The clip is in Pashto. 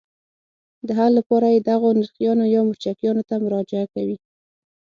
د حل لپاره یې دغو نرخیانو یا مرکچیانو ته مراجعه کوي.